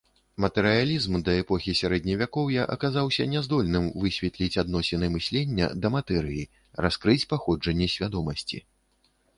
Матэрыялізм да эпохі сярэдневякоўя аказаўся няздольным высветліць адносіны мыслення да матэрыі, раскрыць паходжанне свядомасці.